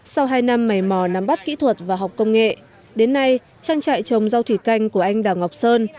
sau hai năm mầy mò nắm bắt kỹ thuật và học công nghệ đến nay trang trại trồng rau thủy canh của anh đào ngọc sơn